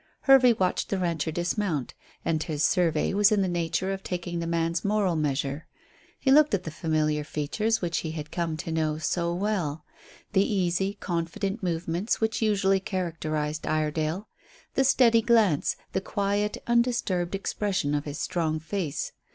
Hervey watched the rancher dismount. And his survey was in the nature of taking the man's moral measure. He looked at the familiar features which he had come to know so well; the easy, confident movements which usually characterized Iredale; the steady glance, the quiet undisturbed expression of his strong face.